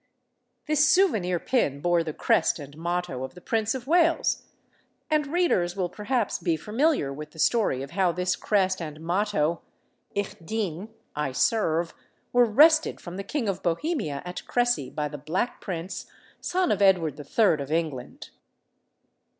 This souvenir pin bore the crest and motto of the Prince of Wales, and readers will perhaps be familiar with the story of how this crest and motto (Ich dien, "I serve") were wrested from the King of Bohemia at Cressy by the Black Prince, son of Edward III. of England.